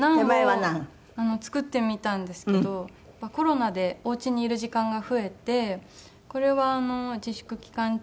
ナンを作ってみたんですけどコロナでお家にいる時間が増えてこれは自粛期間中。